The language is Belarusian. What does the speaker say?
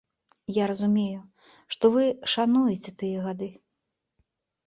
Я разумею, што вы шануеце тыя гады.